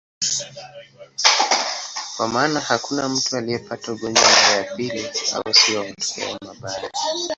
Kwa maana hakuna mtu aliyepata ugonjwa mara ya pili, au si kwa matokeo mbaya.